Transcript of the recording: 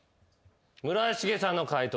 村重さんの解答